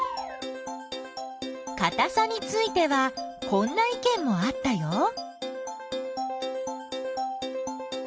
かたさについてはこんないけんもあったよ。